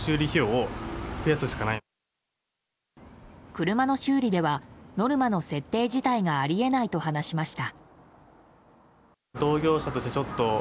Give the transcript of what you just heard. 車の修理ではノルマの設定自体があり得ないと話しました。